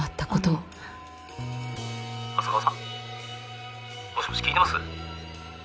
もしもし聞いてます？